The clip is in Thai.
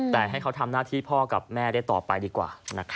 แต่ให้เขาทำหน้าที่พ่อกับแม่ได้ต่อไปดีกว่า